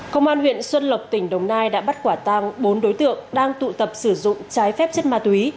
công an huyện xuân lộc tỉnh đồng nai đã bắt quả tang bốn đối tượng đang tụ tập sử dụng trái phép chất ma túy